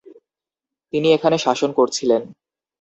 তিনি এখানে শাসন করছিলেন।